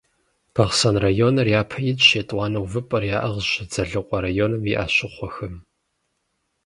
Бахъсэн районыр япэ итщ, етӀуанэ увыпӀэр яӀыгъщ Дзэлыкъуэ районым и Ӏэщыхъуэхэм.